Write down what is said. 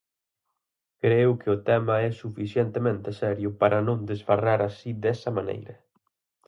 Creo que o tema é o suficientemente serio para non desbarrar así desa maneira.